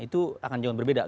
itu akan jauh berbeda